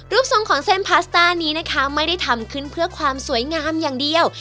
ทรงของเส้นพาสต้านี้นะคะไม่ได้ทำขึ้นเพื่อความสวยงามอย่างเดียว